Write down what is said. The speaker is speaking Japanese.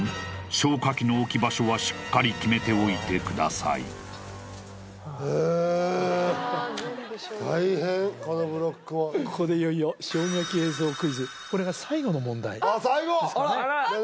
消火器の置き場所はしっかり決めておいてくださいうっ大変このブロックもここでいよいよこれが最後の問題ですかね